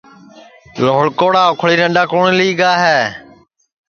لھوھیاڑا اُکھݪی ڈؔنڈؔا کُوٹؔ لئگا ہے